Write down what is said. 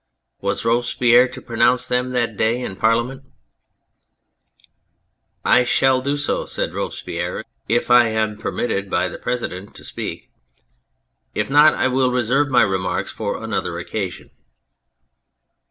Was Robespierre to pronounce them that day in Parliament ?" I shall do so," said RobespieiTe, " if I am permitted by the President to speak. If not, I will reserve my remarks for another occasion."